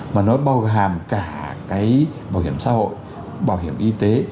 mà nó bao gồm cả bảo hiểm xã hội bảo hiểm y tế